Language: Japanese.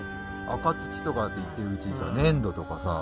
赤土とかっていってるうちにさ粘土とかさ